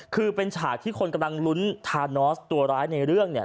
คือเป็นฉากที่คนกำลังลุ้นทานอสตัวร้ายในเรื่องเนี่ย